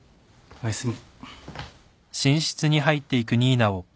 おやすみ。